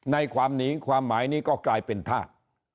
ในความหนีความหมายนี้ก็กลายเป็นธาตุ